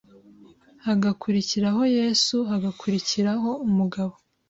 hagakurikiraho Yesu, hagakurikiraho umugabo,